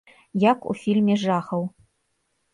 Як у фільме жахаў.